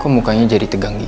kok mukanya jadi tegang gitu